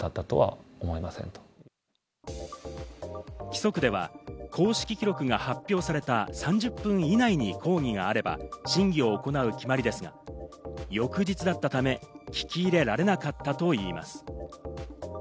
規則では公式記録が発表された３０分以内に抗議があれば、審議を行う決まりですが、翌日だったため、聞き入れられなかったといいます。